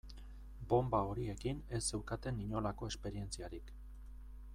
Bonba horiekin ez zeukaten inolako esperientziarik.